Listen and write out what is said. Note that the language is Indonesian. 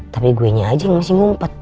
tapi gue nya aja yang masih ngumpet